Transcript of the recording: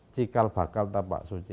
cikal bakal tapak suci